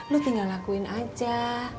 lo tinggal lakuin aja